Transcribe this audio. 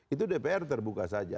itu dpr terbuka saja